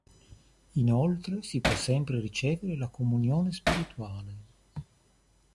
Inoltre, si può sempre ricevere la Comunione spirituale.